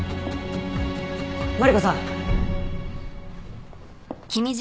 マリコさん。